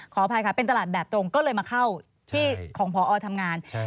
ขออภัยค่ะเป็นตลาดแบบตรงก็เลยมาเข้าที่ของพอทำงาน